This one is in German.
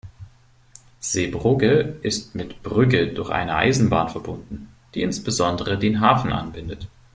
Zeebrugge ist mit Brügge durch eine Eisenbahn verbunden, die insbesondere den Hafen anbindet.